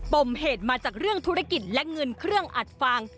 มเหตุมาจากเรื่องธุรกิจและเงินเครื่องอัดฟาง